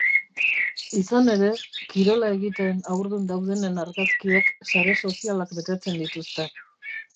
Izan ere, kirola egiten haurdun daudenen argazkiek sare sozialak betetzen dituzte.